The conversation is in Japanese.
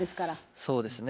そうですね。